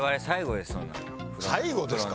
最後ですか？